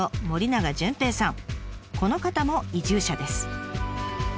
この方も移住者です。